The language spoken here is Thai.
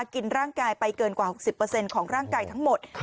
กินร่างกายไปเกินกว่า๖๐ของร่างกายทั้งหมด